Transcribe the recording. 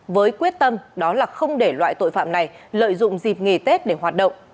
với quyết tâm đó là không để loại tội phạm này lợi dụng dịp nghỉ tết để hoạt động